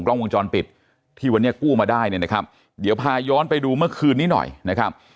กล้องวงจรปิดที่วันนี้กู้มาได้เนี่ยนะครับเดี๋ยวพาย้อนไปดูเมื่อคืนนี้หน่อยนะครับ